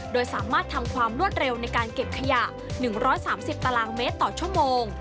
โดยสามารถทำความรวดเร็วในการเก็บขยะ๑๓๐ตารางเมตรต่อชั่วโมง